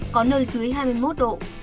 có nơi dưới hai mươi một độ